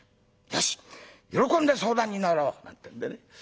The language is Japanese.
よし喜んで相談に乗ろう」なんてんでね。